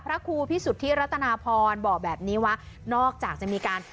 พระครูพิสุทธิรัตนาพรบอกแบบนี้ว่านอกจากจะมีการ